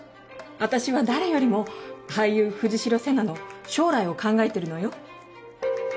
私は誰よりも俳優藤代瀬那の将来を考えてるのよ。